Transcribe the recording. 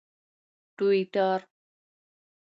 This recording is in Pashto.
ټویټر